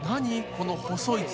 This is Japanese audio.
この細い筒。